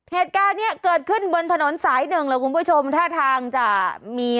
เหตุการณ์เกิดขึ้นบนถนนสายหนึ่งนะส่านจองภูมิเพราะทางจะมี